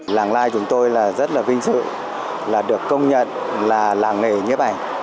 làng lai chúng tôi rất là vinh dự được công nhận là làng nghề nhếp ảnh